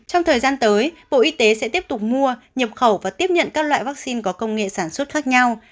trong thời gian tới bộ y tế sẽ tiếp tục mua nhập khẩu và tiếp nhận các loại vaccine có công nghệ sản xuất khác nhau